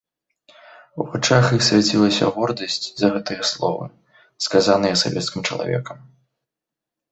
У вачах іх свяцілася гордасць за гэтыя словы, сказаныя савецкім чалавекам.